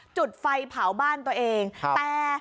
จุดไฟเผาบ้านตัวเองแต่